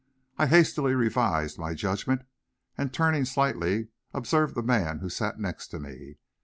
I hastily, revised my judgment, and turning slightly observed the man who sat next me.